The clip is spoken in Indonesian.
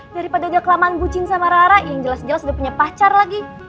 daripada udah kelamaan bucin sama rara yang jelas jelas udah punya pacar lagi